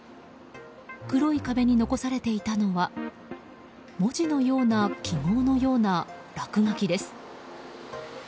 黒い壁に残されていたのは文字のような記号のような落書きです。